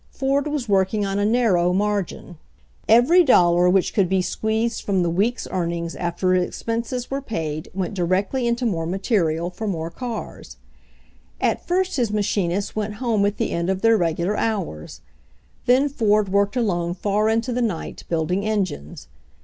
Ford was working on a narrow margin. Every dollar which could be squeezed from the week's 122 EARLY MANUFACTURING TRIALS 123 earnings after expenses were paid went directly into more material' for more cars. At first his machinists went home at the end of their regular hours ; then Ford worked alone far into the night, building engines.